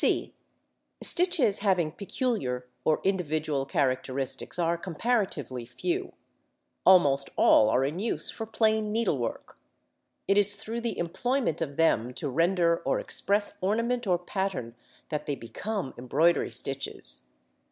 (c) Stitches having peculiar or individual characteristics are comparatively few. Almost all are in use for plain needlework. It is through the employment of them to render or express ornament or pattern that they become embroidery stitches.